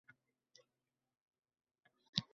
Ulug‘ maqsadlar sari yo‘l